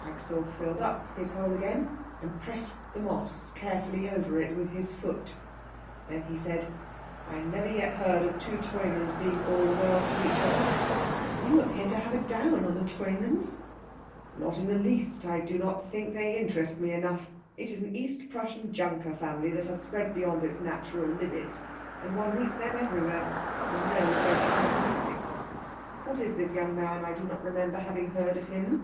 Axel filled up his hole again, and pressed the moss carefully over it with his foot. Then he said, "I never yet heard of two Treumanns being all the world to each other." "You appear to have a down on the Treumanns." "Not in the least. I do not think they interest me enough. It is an East Prussian Junker family that has spread beyond its natural limits, and one meets them everywhere, and knows their characteristics. What is this young man? I do not remember having heard of him."